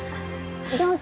どうぞ。